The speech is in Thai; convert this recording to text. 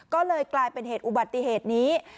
ก็เลยกลายเป็นเหตุอุบัติเหตุนี้